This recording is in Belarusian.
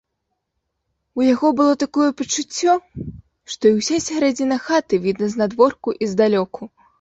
У яго было такое пачуццё, што і ўся сярэдзіна хаты відна знадворку і здалёку.